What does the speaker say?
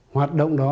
hoạt động đó